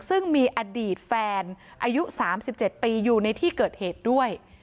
ซึ่งมีอดีตแฟนอายุ๓๗ปีอยู่ในที่เกิดเหตุด้วย